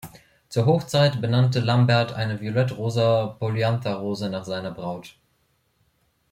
Zur Hochzeit benannte Lambert eine violett-rosa Polyantha-Rose nach seiner Braut.